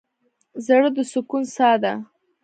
زړه د سکون څاه ده.